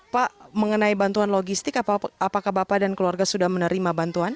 pak mengenai bantuan logistik apakah bapak dan keluarga sudah menerima bantuan